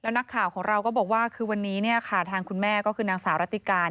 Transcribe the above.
นักข่าวของเราก็บอกว่าคือวันนี้เนี่ยค่ะทางคุณแม่ก็คือนางสาวรัติการ